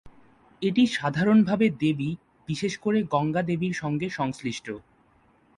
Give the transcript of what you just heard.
এটি সাধারণভাবে দেবী বিশেষ করে গঙ্গা দেবীর সঙ্গে সংশ্লিষ্ট।